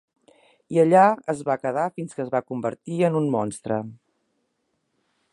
I allà es va quedar fins que es va convertir en un monstre.